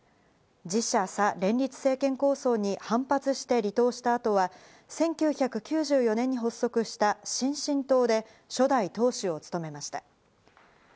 「自社さ連立政権構想」に反発して離党した後は、１９９４年に発足した新進党で初代党首を務めました。